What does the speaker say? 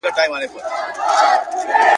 بس یو نوبت وو درته مي تېر کړ ,